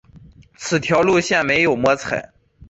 此条路线没有摸彩